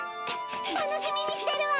楽しみにしてるわ！